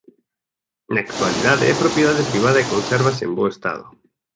Na actualidade é propiedade privada e consérvase en bo estado.